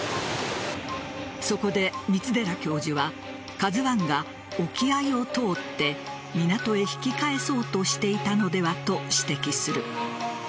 そこで三寺教授は「ＫＡＺＵ１」が沖合を通って港へ引き返そうとしていたのではと指摘する。